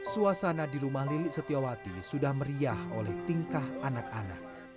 suasana di rumah lilik setiawati sudah meriah oleh tingkah anak anak